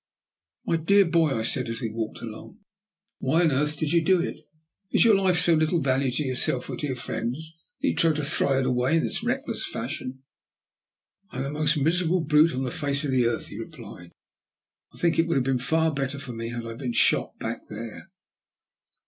"My dear boy," I said, as we walked along, "why on earth did you do it? Is your life of so little value to yourself or to your friends, that you try to throw it away in this reckless fashion?" "I am the most miserable brute on the face of the earth," he replied. "I think it would have been far better for me had I been shot back there."